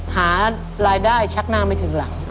หารายได้ชักหน้าไม่ถึงหลัง